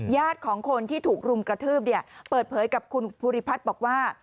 ของคนที่ถูกรุมกระทืบเปิดเผยกับคุณภูริพัฒน์บอกว่า